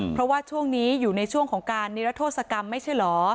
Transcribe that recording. เพราะว่าช่วงนี้อยู่ในช่วงของการนิรโทษกรรมไม่ใช่เหรอ